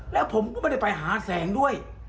แล้วผมก็ไม่ได้ไปหาแสงด้วย